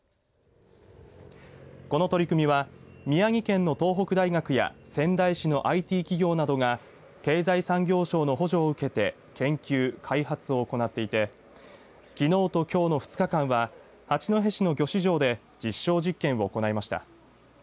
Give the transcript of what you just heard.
この取り組みは宮城県の東北大学や仙台市のＩＴ企業などが経済産業省の補助を受けて研究、開発を行っていてきのうときょうの２日間は八戸市の魚市場で実証実験を行いました。